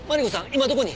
今どこに？